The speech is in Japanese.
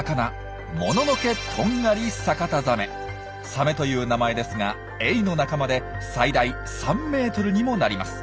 サメという名前ですがエイの仲間で最大３ｍにもなります。